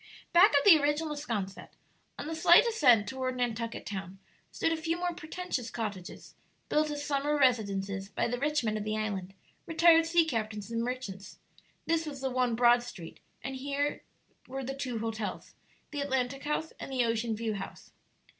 Back of the original 'Sconset, on the slight ascent toward Nantucket Town, stood a few more pretentious cottages, built as summer residences by the rich men of the island, retired sea captains, and merchants; this was the one broad street, and here were the two hotels, the Atlantic House and the Ocean View House.